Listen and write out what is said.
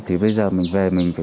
thì bây giờ mình về mình phải